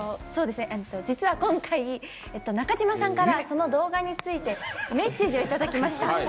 実は今回中島さんから動画についてメッセージいただきました。